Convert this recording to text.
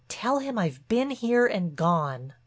Tell him I've been here and gone."